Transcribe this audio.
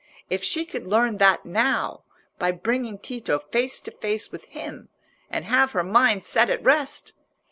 If she could learn that now, by bringing Tito face to face with him, and have her mind set at rest!